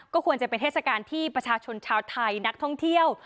ควรจะเป็นเทศกาลที่ประชาชนชาวไทยนักท่องเที่ยว